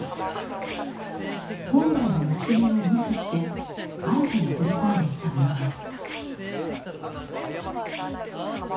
本来の木目を無視して新たに彫り込んでいったものです。